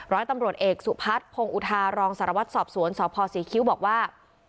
ร้อยตำรวจเอกสุพัฒน์พงศ์อุทารองสารวัตรสอบสวนสพศรีคิ้วบอกว่า